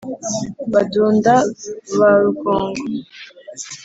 badunda ba rugongo